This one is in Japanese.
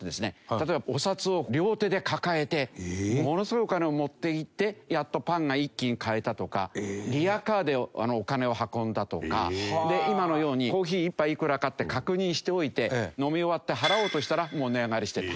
例えばお札を両手で抱えてものすごいお金を持っていってやっとパンが１斤買えたとかリヤカーでお金を運んだとかで今のようにコーヒー１杯いくらかって確認しておいて飲み終わって払おうとしたらもう値上がりしてた。